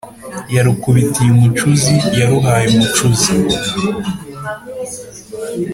. Yarukubitiye umucuzi: Yaruhaye umucuzi.